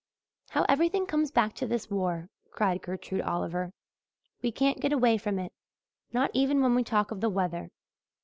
"How everything comes back to this war," cried Gertrude Oliver. "We can't get away from it not even when we talk of the weather.